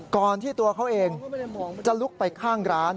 ก่อนที่ตัวเขาเองจะลุกไปข้างร้าน